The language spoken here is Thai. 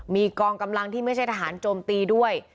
มีกองกำลังที่ไม่ใช่ทหารโจมตีด้วย